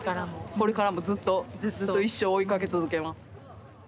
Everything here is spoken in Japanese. これからもずっと一生追いかけ続けます。